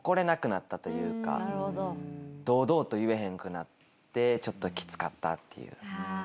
堂々と言えへんくなってちょっときつかったっていう。